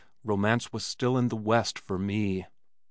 Romance was still in the West for me.